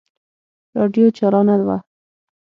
راډيو چالانه وه.